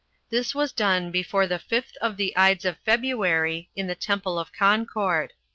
This was done before the fifth of the Ides of February, in the temple of Concord.